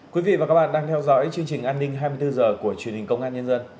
quý vị và các bạn đang theo dõi chương trình an ninh hai mươi bốn h của truyền hình công an nhân dân